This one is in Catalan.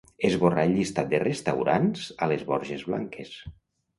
Esborrar el llistat de restaurants a les Borges Blanques.